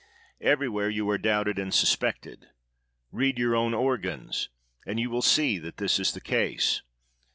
Everywhere you are doubted and sus pected. Read your own organs, and you will see that this is the case.